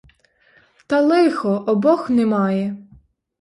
Та лихо, — обох немає!